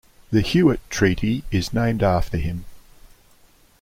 The Hewett Treaty is named after him.